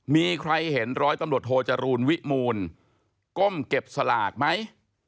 มีใครเห็นร้อยตำรวจโทจรูลวิมูลก้มเก็บสลากไหม